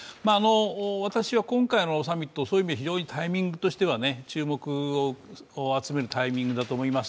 私は今回のサミット、そういう意味では非常にタイミングとしては注目を集めるタイミングだと思います。